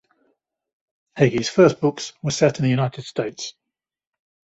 Hegi's first books were set in the United States.